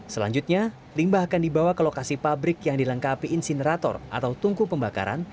selanjutnya limbah akan dibawa ke lokasi pabrik yang dilengkapi insinerator atau tungku pembakaran